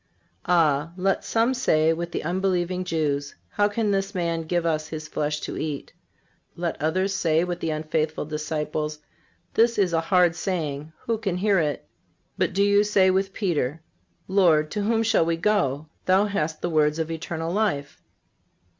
Ah! let some say with the unbelieving Jews: "How can this man give us His flesh to eat?" Let others say with the unfaithful disciples: "This is a hard saying. Who can hear it?" But do you say with Peter: "Lord, to whom shall we go? Thou hast the words of eternal life."